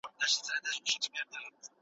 د مالدارۍ سکتور پرمختګ کاوه.